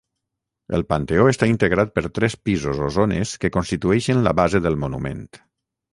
El panteó està integrat per tres pisos o zones que constitueixen la base del monument.